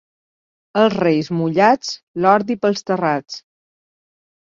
Els Reis mullats, l'ordi pels terrats.